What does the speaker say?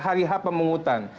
hari hap pemungutan